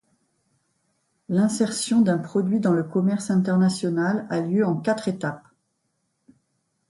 L’insertion d’un produit dans le commerce international a lieu en quatre étapes.